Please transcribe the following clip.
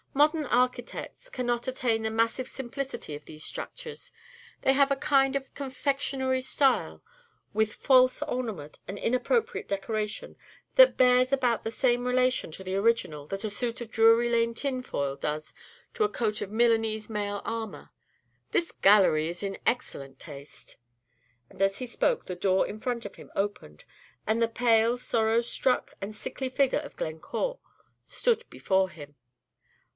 "Modern architects cannot attain the massive simplicity of these structures. They have a kind of confectionery style with false ornament, and inappropriate decoration, that bears about the same relation to the original that a suit of Drury Lane tinfoil does to a coat of Milanese mail armor. This gallery is in excellent taste." And as he spoke, the door in front of him opened, and the pale, sorrow struck, and sickly figure of Glencore stood before him.